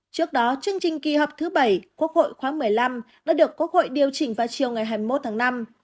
trước đó chương trình kỳ họp thứ bảy quốc hội khoáng một mươi năm đã được quốc hội điều chỉnh vào chiều ngày hai mươi một tháng năm